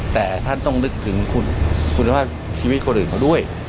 แต่ท่านต้องนึกถึงคุณภาพชีวิตคนอื่นเขาด้วย